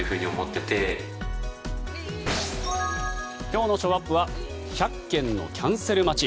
今日のショーアップは１００件のキャンセル待ち。